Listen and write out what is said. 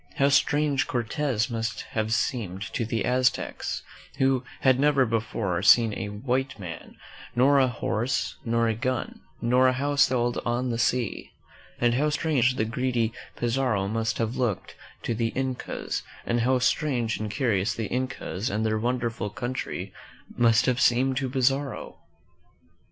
How strange Cortez must have seemed to the •^y M 156 WHAT CAME O F I T ALL Aztecs, who had never before seen a white man, nor a horse, nor a gun, nor a house that sailed on the sea ! And how strange the greedy Pizarro must have looked to the Incas, and how 'strange and curious the Incas and their wonderful coun try must have seemed to Pizarro!